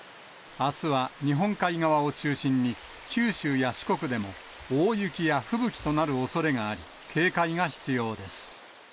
あすは日本海側を中心に、九州や四国でも大雪や吹雪となるおそれがあり、警戒が必要です。